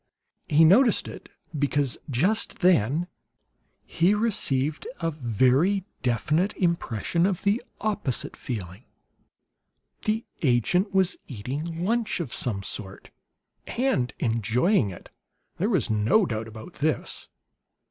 He noticed it because, just then, he received a very definite impression of the opposite feeling; the agent was eating lunch of some sort, and enjoying it. There was no doubt about this.